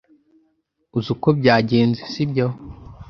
Uzi uko byagenze, sibyo?